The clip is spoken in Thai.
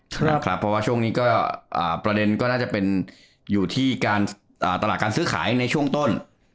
เพราะว่าช่วงนี้ก็ประเด็นก็น่าจะเป็นอยู่ที่การตลาดการซื้อขายในช่วงต้น